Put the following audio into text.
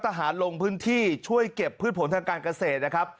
ลงพื้นที่ช่วยเก็บพืชผลทางการเกษตรนะครับ